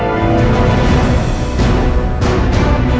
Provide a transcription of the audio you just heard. ini mirip gw biasanya